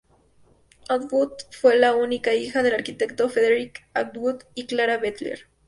Atwood fue la única hija del arquitecto Frederick Atwood y Clara Becker.